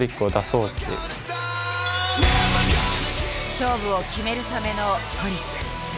勝負を決めるためのトリック。